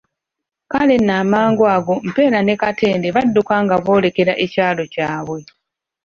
Kale nno amangu ago Mpeera ne Katende badduka nga boolekera ekyalo kyabwe.